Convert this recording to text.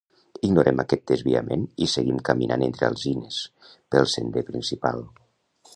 Ignorem aquest desviament i seguim caminant entre alzines pel sender principal.